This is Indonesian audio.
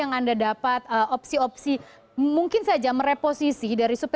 dengan penginginanku strategi